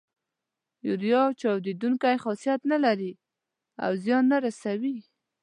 یوریا چاودیدونکی خاصیت نه لري او زیان نه رسوي.